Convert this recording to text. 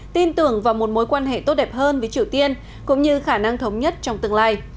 tin tưởng vào một mối quan hệ tốt đẹp hơn với triều tiên cũng như khả năng thống nhất trong tương lai